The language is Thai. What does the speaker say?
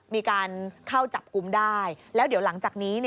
มีการเข้าจับกลุ่มได้แล้วเดี๋ยวหลังจากนี้